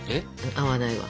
合わないわ。